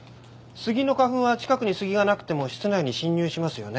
杉の花粉は近くに杉がなくても室内に侵入しますよね。